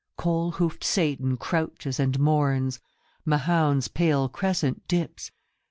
Coal hoofed Satan crouches and mourns ; Mahound's pale crescent dips.